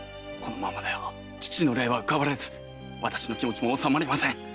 このままでは父の霊は浮かばれず私の気持ちもおさまりません。